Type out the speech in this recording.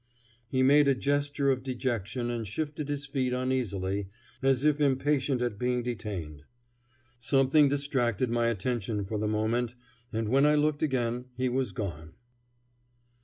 He made a gesture of dejection and shifted his feet uneasily, as if impatient at being detained. Something distracted my attention for the moment, and when I looked again he was gone.